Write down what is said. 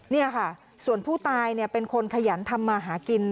นี่ค่ะส่วนผู้ตายเป็นคนขยันทำมาหากิน